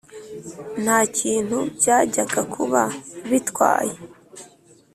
ntakintu byajyaga kuba bitwaye"